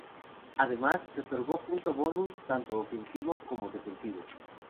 Además "se otorgó punto bonus" tanto ofensivo como defensivo.